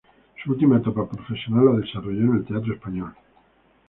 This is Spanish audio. Su última etapa profesional la desarrolló en el Teatro Español.